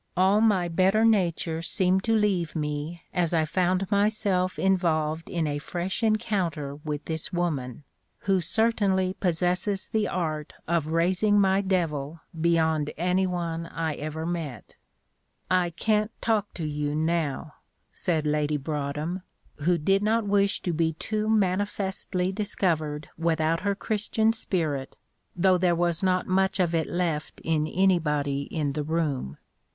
All my better nature seemed to leave me as I found myself involved in a fresh encounter with this woman, who certainly possesses the art of raising my devil beyond any one I ever met. "I can't talk to you now," said Lady Broadhem, who did not wish to be too manifestly discovered without her Christian spirit, though there was not much of it left in anybody in the room.